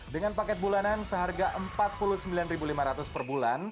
dengan paket bulanan seharga rp empat puluh sembilan lima ratus per bulan